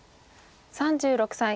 ３６歳。